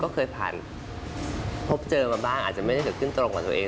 เคยพบเจอมาบ้างอาจจะไม่ได้เก็บเกื้นตรงของตัวเอง